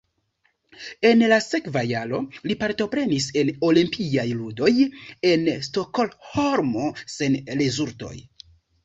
En la sekva jaro li partoprenis en Olimpiaj ludoj en Stokholmo sen rezultoj.